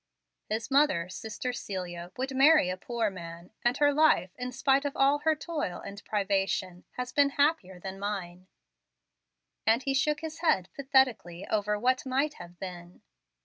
His mother, sister Celia, would marry a poor man; and her life, in spite of all her toil and privation, has been happier than mine"; and he shook his head pathetically over "what might have been."